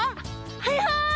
はいはい！